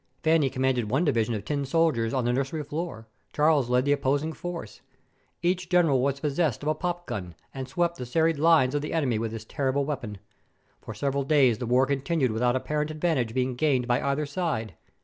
Fanny commanded one division of tin soldiers on the nursery floor; Charles led the opposing force. Each general was possessed of a popgun, and swept the serried lines of the enemy with this terrible weapon. For several days the war continued without apparent advantage being gained by either side.